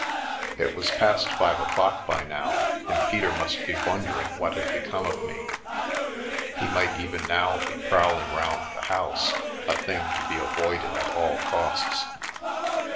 It was past five o'clock by now, and Peter must be wondering what had become of me, he might even now be prowling round the house, a thing to be avoided at all costs.